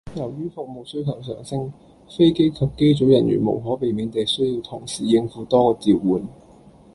由於服務需求上升，飛機及機組人員無可避免地需要同時應付多個召喚